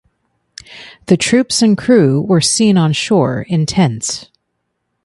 The troops and crew were seen on shore in tents.